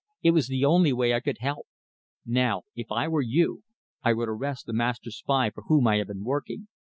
It was the only way I could help. Now, if I were you, I would arrest the master spy for whom I have been working.